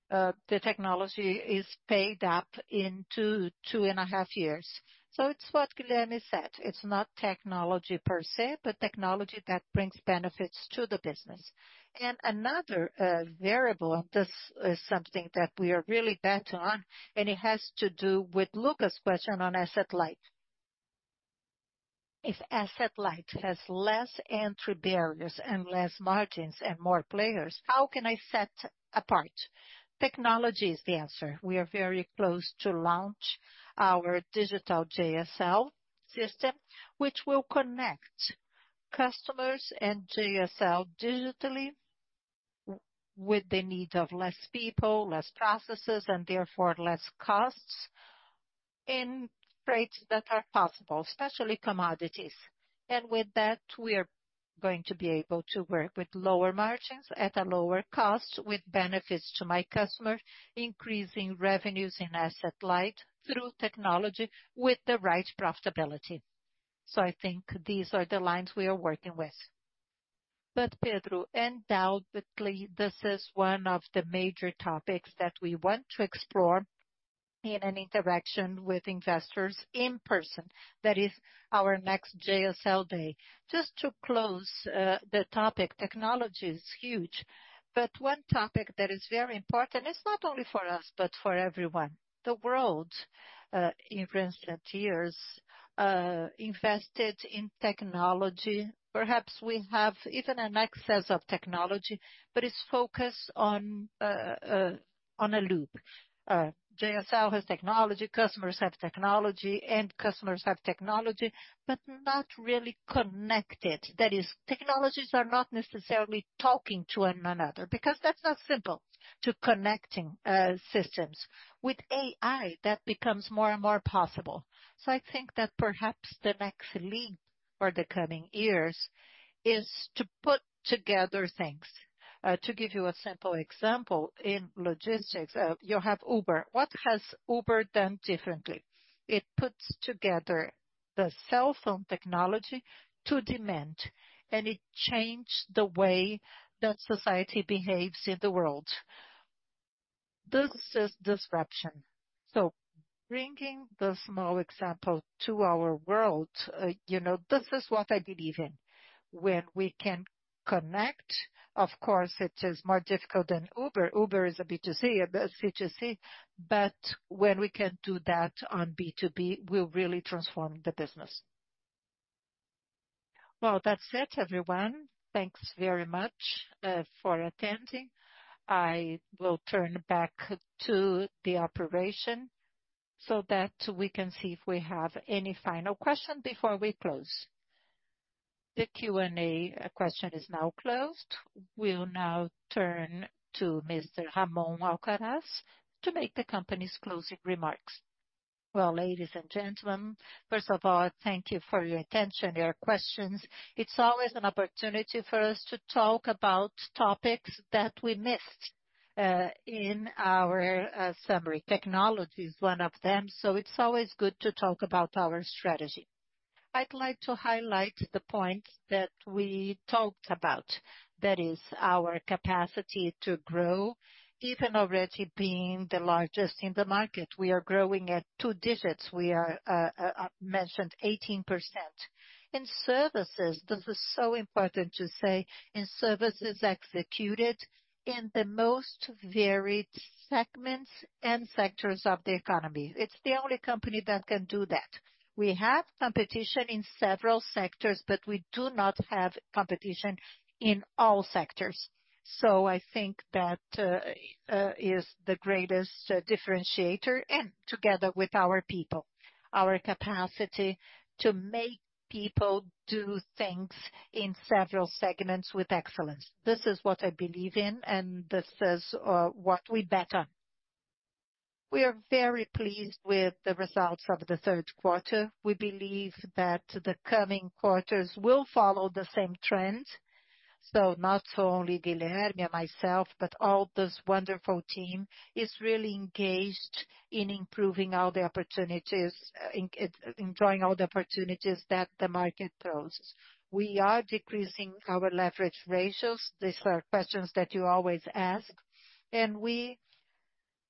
the technology is paid up into two and a half years, so it's what Guilherme said. It's not technology per se, but technology that brings benefits to the business, and another variable, and this is something that we are really better on, and it has to do with Lucas' question on asset light. If asset light has less entry barriers and less margins and more players, how can I set apart? Technology is the answer. We are very close to launch our Digital JSL system, which will connect customers and JSL digitally with the need of less people, less processes, and therefore less costs in rates that are possible, especially commodities. And with that, we are going to be able to work with lower margins at a lower cost, with benefits to my customers, increasing revenues in asset light through technology with the right profitability. So I think these are the lines we are working with. But Pedro, undoubtedly, this is one of the major topics that we want to explore in an interaction with investors in person. That is our next JSL day. Just to close the topic, technology is huge, but one topic that is very important is not only for us, but for everyone. The world, in recent years, invested in technology. Perhaps we have even an excess of technology, but it's focused on a loop. JSL has technology, customers have technology, and customers have technology, but not really connected. That is, technologies are not necessarily talking to one another because that's not simple to connect systems. With AI, that becomes more and more possible. So I think that perhaps the next leap for the coming years is to put together things. To give you a simple example, in logistics, you have Uber. What has Uber done differently? It puts together the cell phone technology and demand, and it changed the way that society behaves in the world. This is disruption. So bringing the small example to our world, you know, this is what I believe in. When we can connect, of course, it is more difficult than Uber. Uber is a B2C, a C2C, but when we can do that on B2B, we'll really transform the business. Well, that's it, everyone. Thanks very much for attending. I will turn back to the operator so that we can see if we have any final questions before we close. The Q&A session is now closed. We'll now turn to Mr. Ramon Alcaraz to make the company's closing remarks. Well, ladies and gentlemen, first of all, thank you for your attention, your questions. It's always an opportunity for us to talk about topics that we missed in our summary. Technology is one of them, so it's always good to talk about our strategy. I'd like to highlight the points that we talked about. That is our capacity to grow, even already being the largest in the market. We are growing at two digits. We are mentioned 18%. In services, this is so important to say, in services executed in the most varied segments and sectors of the economy. It's the only company that can do that. We have competition in several sectors, but we do not have competition in all sectors. So I think that is the greatest differentiator, and together with our people, our capacity to make people do things in several segments with excellence. This is what I believe in, and this is what we bet on. We are very pleased with the results of the third quarter. We believe that the coming quarters will follow the same trends. So not only Guilherme, myself, but all this wonderful team is really engaged in improving all the opportunities, in drawing all the opportunities that the market throws. We are decreasing our leverage ratios. These are questions that you always ask. And we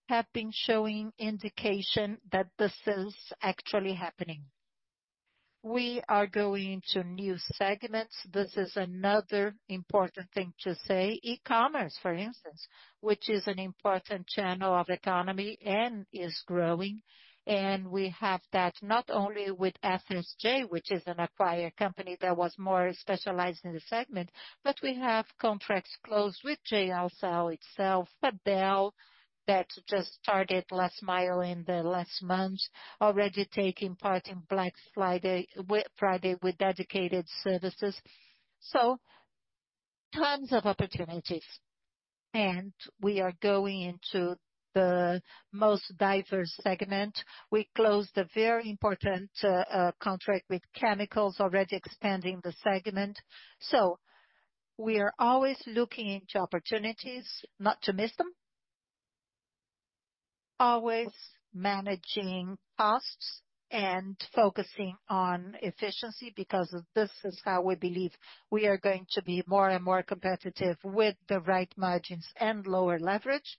have been showing indication that this is actually happening. We are going to new segments. This is another important thing to say. E-commerce, for instance, which is an important channel of economy and is growing. We have that not only with FSJ, which is an acquired company that was more specialized in the segment, but we have contracts closed with JSL itself, Fadel, that just started last mile in the last month, already taking part in Black Friday with dedicated services. Tons of opportunities. We are going into the most diverse segment. We closed a very important contract with chemicals, already expanding the segment. We are always looking into opportunities, not to miss them, always managing costs and focusing on efficiency because this is how we believe we are going to be more and more competitive with the right margins and lower leverage.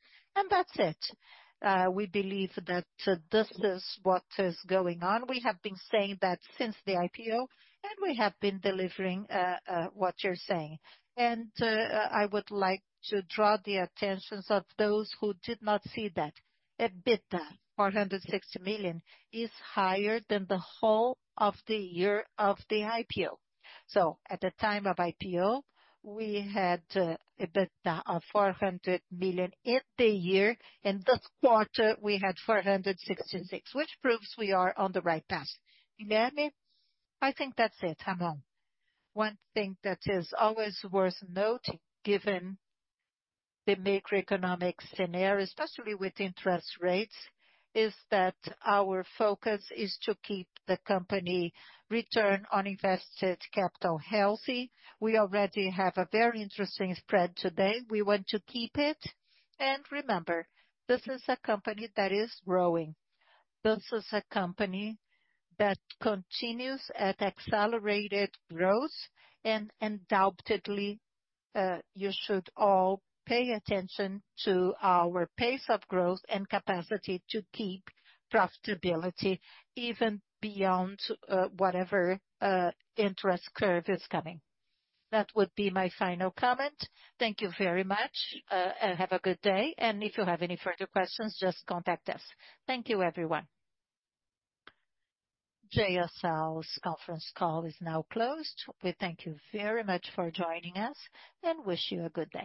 That's it. We believe that this is what is going on. We have been saying that since the IPO, and we have been delivering what you're saying. I would like to draw the attention of those who did not see that. EBITDA 460 million is higher than the whole of the year of the IPO. So at the time of IPO, we had EBITDA of 400 million in the year. In this quarter, we had 466 million, which proves we are on the right path. You hear me? I think that's it, Ramon. One thing that is always worth noting, given the macroeconomic scenario, especially with interest rates, is that our focus is to keep the company return on invested capital healthy. We already have a very interesting spread today. We want to keep it. And remember, this is a company that is growing. This is a company that continues at accelerated growth. And undoubtedly, you should all pay attention to our pace of growth and capacity to keep profitability even beyond whatever interest curve is coming. That would be my final comment. Thank you very much. Have a good day. And if you have any further questions, just contact us. Thank you, everyone. JSL's conference call is now closed. We thank you very much for joining us and wish you a good day.